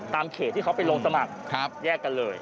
เขตที่เขาไปลงสมัครแยกกันเลย